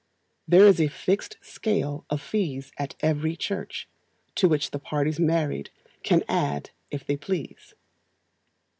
There is a fixed scale of fees at every church, to which the parties married can add if they please.